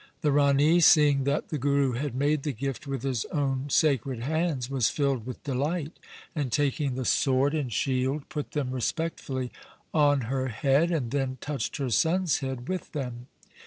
The Rani, seeing that the Guru had made the gift with his own sacred hands, was filled with delight, and taking the sword and shield put them respectfully on her head and then touched her son's head with them.